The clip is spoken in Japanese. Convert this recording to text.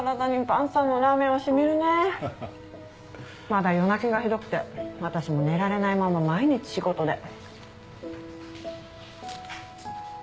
まだ夜泣きがひどくて私も寝られないまま毎日仕事で。